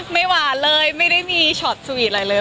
หวานเลยไม่ได้มีช็อตสวีทอะไรเลย